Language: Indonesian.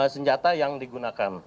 senjata yang digunakan